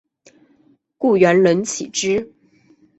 故园人岂知？